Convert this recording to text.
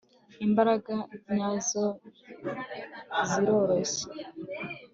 imbaraga nyazo ziroroshye